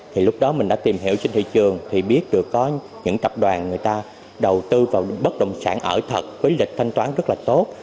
thì lúc đó mình đã tìm hiểu trên thị trường thì biết được có những tập đoàn người ta đầu tư vào bất động sản ở thật với lịch thanh toán rất là tốt